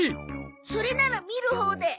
それなら見るほうで。